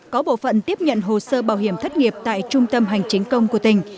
có bộ phận tiếp nhận hồ sơ bảo hiểm thất nghiệp tại trung tâm hành chính công của tỉnh